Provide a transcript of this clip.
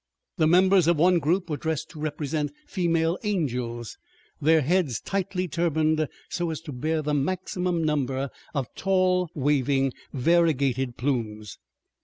The members of one group were dressed to represent female angels, their heads tightly turbaned so as to bear the maximum number of tall, waving, variegated plumes.